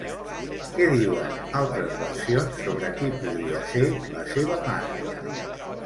Què diuen altres versions sobre qui podria ser la seva mare?